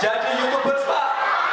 jadi youtuber pak